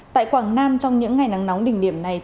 tại quảng nam trong những ngày nắng nóng đỉnh điểm này